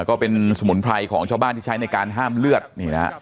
ก็เป็นสมุนไพรของชาวบ้านที่ใช้ในการห้ามเลือดนี่นะฮะ